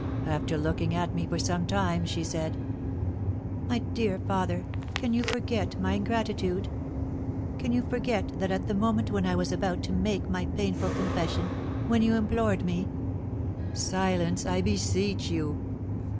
After looking at me for some time, she said: "My dear father, can you forget my ingratitude? Can you forget that at the moment when I was about to make my painful confession when you implored me " "Silence! I beseech you!"